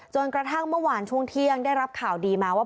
กระทั่งเมื่อวานช่วงเที่ยงได้รับข่าวดีมาว่า